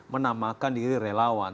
menamakan diri relawan